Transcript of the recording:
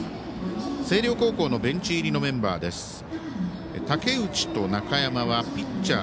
星稜高校のベンチ入りメンバーです。